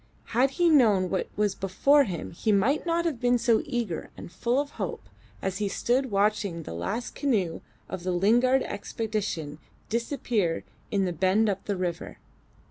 Had he known what was before him he might not have been so eager and full of hope as he stood watching the last canoe of the Lingard expedition disappear in the bend up the river.